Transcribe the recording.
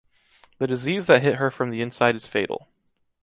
The disease that hit her from the inside is fatal.